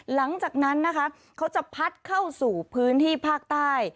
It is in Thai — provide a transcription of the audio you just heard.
หลังจากนั้นนะคะเขาจะพัดเข้าสู่พื้นที่ภาคใต้